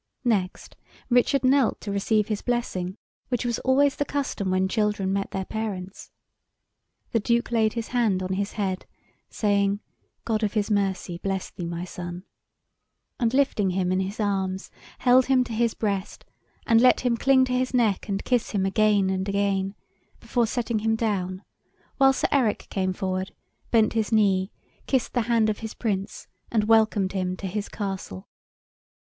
Next, Richard knelt to receive his blessing, which was always the custom when children met their parents. The Duke laid his hand on his head, saying, "God of His mercy bless thee, my son," and lifting him in his arms, held him to his breast, and let him cling to his neck and kiss him again and again, before setting him down, while Sir Eric came forward, bent his knee, kissed the hand of his Prince, and welcomed him to his Castle.